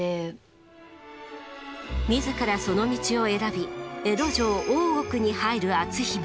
自らその道を選び江戸城大奥に入る篤姫。